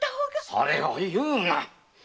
それを言うな。